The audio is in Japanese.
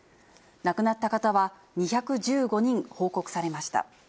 亡くなった方は２１５人報告されました。